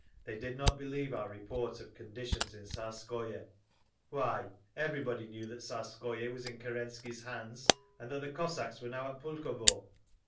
They did not believe our report of conditions in Tsarskoye. Why, everybody knew that Tsarskoye was in Kerensky's hands, and that the Cossacks were now at Pulkovo.